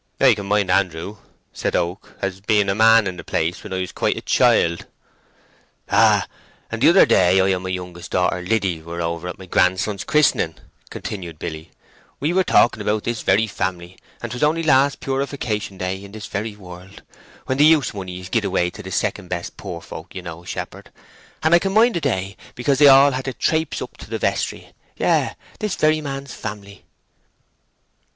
"I can mind Andrew," said Oak, "as being a man in the place when I was quite a child." "Ay—the other day I and my youngest daughter, Liddy, were over at my grandson's christening," continued Billy. "We were talking about this very family, and 'twas only last Purification Day in this very world, when the use money is gied away to the second best poor folk, you know, shepherd, and I can mind the day because they all had to traypse up to the vestry—yes, this very man's family."